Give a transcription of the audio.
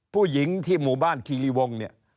ผู้หญิงที่หมู่บ้านคีรีวง